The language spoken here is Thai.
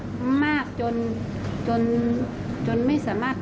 จนไม่สามารถทุกคนก็คงทราบนะคะ